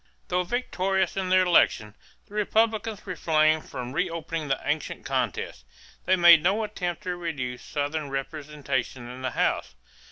Though victorious in the election, the Republicans refrained from reopening the ancient contest; they made no attempt to reduce Southern representation in the House.